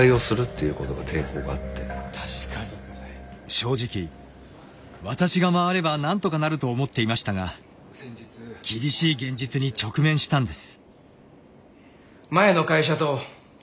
正直私が回ればなんとかなると思っていましたが厳しい現実に直面したんです。